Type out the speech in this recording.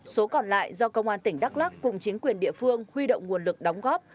số còn lại do công an tỉnh đắk lắc cùng chính quyền địa phương huy động nguồn lực đóng góp